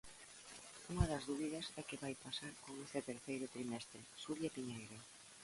Unha das dúbidas é que vai pasar con este terceiro trimestre, Xulia Piñeiro.